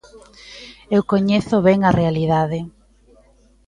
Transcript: Eu coñezo ben a realidade.